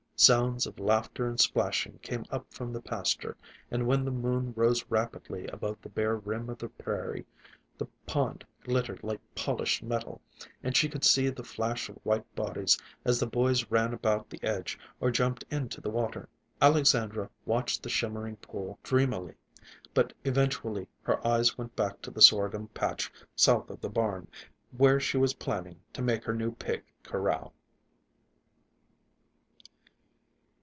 Sounds of laughter and splashing came up from the pasture, and when the moon rose rapidly above the bare rim of the prairie, the pond glittered like polished metal, and she could see the flash of white bodies as the boys ran about the edge, or jumped into the water. Alexandra watched the shimmering pool dreamily, but eventually her eyes went back to the sorghum patch south of the barn, where she was planning to make her new pig corral.